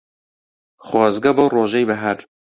خۆزگە بەو ڕۆژەی بەهار